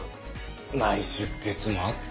内出血もあって。